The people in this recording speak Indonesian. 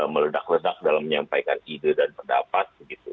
meledak ledak dalam menyampaikan ide dan pendapat